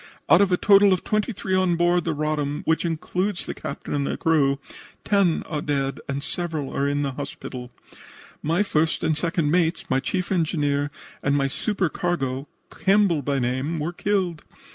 Out of a total of twenty three on board the Roddam, which includes the captain and the crew, ten are dead and several are in the hospital. My first and second mates, my chief engineer and my supercargo, Campbell by name, were killed.